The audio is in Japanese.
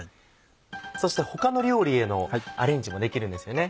そして他の料理へのアレンジもできるんですよね。